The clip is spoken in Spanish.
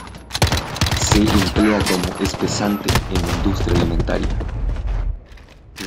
Se emplea como espesante en la industria alimentaria.